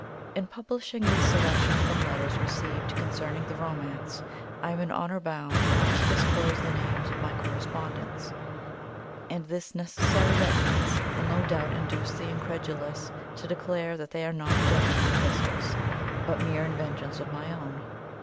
[In publishing these selections from letters received concerning the "Romance," I am in honour bound not to disclose the names of my correspondents, and this necessary reticence will no doubt induce the incredulous to declare that they are not genuine epistles, but mere inventions of my own.